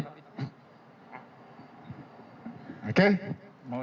itu pak kabin